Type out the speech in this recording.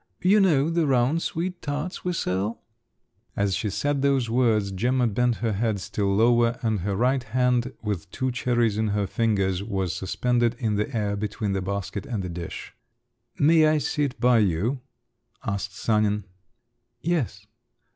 You know the round sweet tarts we sell?" As she said those words, Gemma bent her head still lower, and her right hand with two cherries in her fingers was suspended in the air between the basket and the dish. "May I sit by you?" asked Sanin. "Yes."